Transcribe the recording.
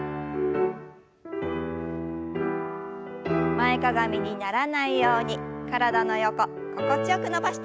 前かがみにならないように体の横心地よく伸ばしていきましょう。